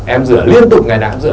em rửa liên tục ngày nào em rửa